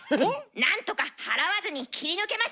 何とか払わずに切り抜けましょう！